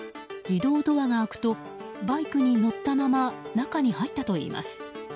自動ドアが開くとバイクに乗ったまま中に入ったといいます。